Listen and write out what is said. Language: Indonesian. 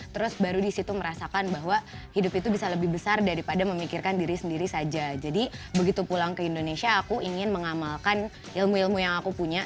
terus baru disitu merasakan bahwa hidup itu bisa lebih besar daripada memikirkan diri sendiri saja jadi begitu pulang ke indonesia aku ingin mengamalkan ilmu ilmu yang aku punya